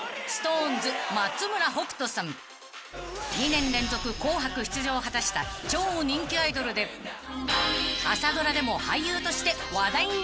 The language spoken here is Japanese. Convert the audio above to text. ’ｓｔｒｙｍａｋｉｎｇｌｏｖｅ」［２年連続『紅白』出場を果たした超人気アイドルで朝ドラでも俳優として話題に］